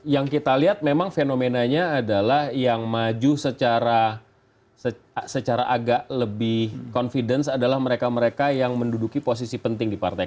yang kita lihat memang fenomenanya adalah yang maju secara agak lebih confidence adalah mereka mereka yang menduduki posisi penting di partai